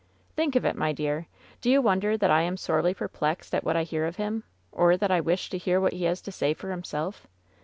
"Think of it, my dear. Do you wonder that I am sorely perplexed at what I hear of him ? Or that I wish to hear what he has to say for himself